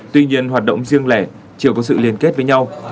tuy nhiên hoạt động riêng lẻ chưa có sự liên kết với nhau